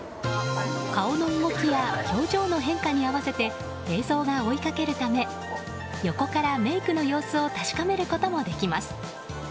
顔の動きや表情の変化に合わせて映像が追いかけるため横からメイクの様子を確かめることもできます。